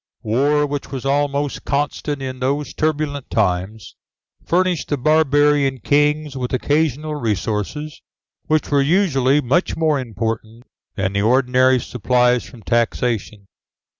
] War, which was almost constant in those turbulent times, furnished the barbarian kings with occasional resources, which were usually much more important than the ordinary supplies from taxation.